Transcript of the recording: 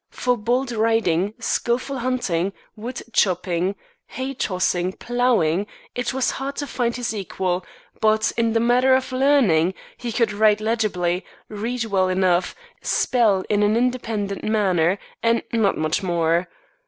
For bold riding, skillful hunting, wood chopping, hay tossing, ploughing, it was hard to find his equal; but, in the matter of learning, he could write legibly, read well enough, spell in an independent manner, and not much more.